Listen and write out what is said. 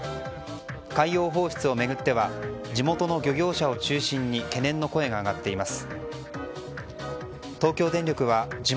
海洋放出を巡っては地元の漁業者を中心に懸念の声が上がっています。